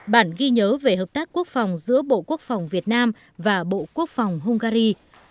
bản ghi nhớ về hợp tác quốc phòng giữa bộ quốc phòng việt nam và bộ quốc phòng hungary